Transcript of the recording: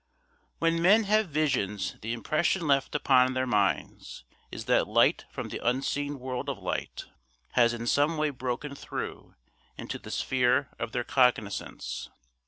When men have visions the impression left upon their minds is that light from the unseen world of light has in some way broken through into the sphere of their cognizance.